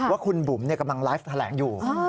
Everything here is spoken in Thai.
ว่าคุณบุ๋มกำลังไลฟ์แถลงอยู่